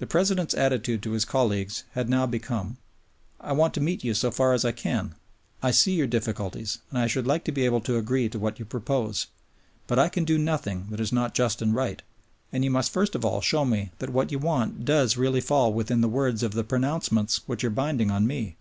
The President's attitude to his colleagues had now become: I want to meet you so far as I can; I see your difficulties and I should like to be able to agree to what you propose; but I can do nothing that is not just and right, and you must first of all show me that what you want does really fall within the words of the pronouncements which are binding on me.